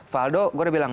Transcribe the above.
valdo gue udah bilang